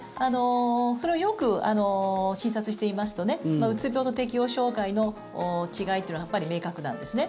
それをよく診察していますとうつ病と適応障害の違いというのはやっぱり明確なんですね。